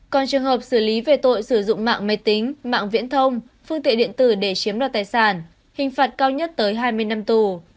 còn trường hợp xử lý về tội sử dụng mạng máy tính mạng viễn thông phương tiện điện tử để chiếm đoạt tài sản hình phạt cao nhất tới hai mươi năm tù